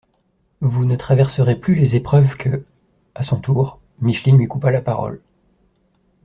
Vous ne traverserez plus les épreuves que …» A son tour, Micheline lui coupa la parole.